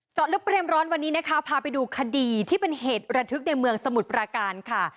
ลึกประเด็นร้อนวันนี้นะคะพาไปดูคดีที่เป็นเหตุระทึกในเมืองสมุทรปราการค่ะ